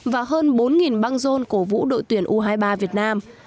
và hơn bốn băng rôn cổ vũ đội tuyển u hai mươi ba việt nam